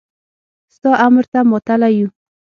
ستا امر ته ماتله يو.